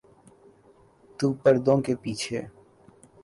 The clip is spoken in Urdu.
تو پردوں کے پیچھے۔